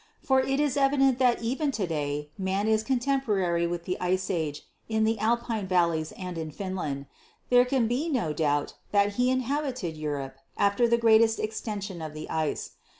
For it is evident that even to day man is contemporary with the Ice Age in the Alpine valleys and in Finland.. There can be no doubt that he inhabited Europe after the greatest extension of the ice.